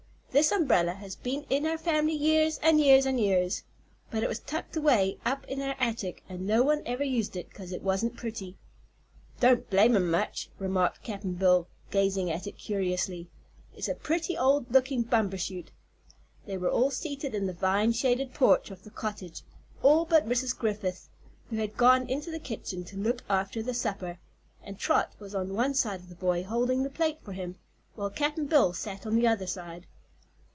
"This umbrella has been in our family years, an' years, an' years. But it was tucked away up in our attic an' no one ever used it 'cause it wasn't pretty." "Don't blame 'em much," remarked Cap'n Bill, gazing at it curiously; "it's a pretty old lookin' bumbershoot." They were all seated in the vine shaded porch of the cottage all but Mrs. Griffith, who had gone into the kitchen to look after the supper and Trot was on one side of the boy, holding the plate for him, while Cap'n Bill sat on the other side.